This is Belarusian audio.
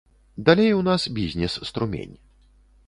Далей у нас бізнес-струмень.